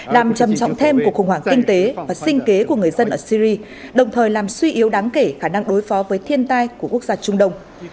làm trầm trọng thêm của khủng hoảng kinh tế và sinh kế của người dân ở syri đồng thời làm suy yếu đáng kể khả năng đối phó với thiên tai của quốc gia trung đông